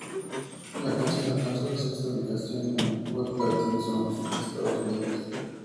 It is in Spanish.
La canción alcanzó la sexta ubicación en el Hot Latin Songs de Estados Unidos.